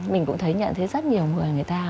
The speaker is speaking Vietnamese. mình cũng thấy nhận thấy rất nhiều người người ta